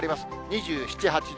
２７、８度。